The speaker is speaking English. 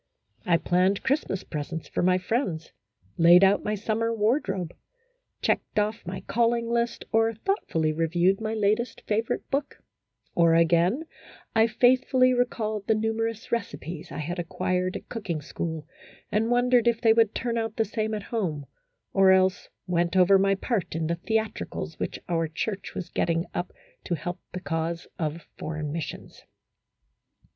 I planned Christmas presents for my friends, laid out my summer wardrobe, checked off my calling list, or thoughtfully reviewed my latest favorite book, or again, I faithfully recalled the numerous recipes I had acquired at cooking school, and wondered if they would turn out the same at home, or else went over my part in the theatricals which our church was getting up to help the cause of Foreign Mis sions.